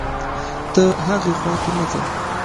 ته هاغې خوا ته مه ځه